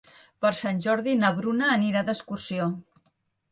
Per Sant Jordi na Bruna anirà d'excursió.